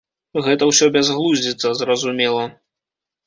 Гэта ўсё бязглуздзіца, зразумела.